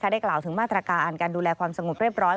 กล่าวถึงมาตรการอ่านการดูแลความสงบเรียบร้อย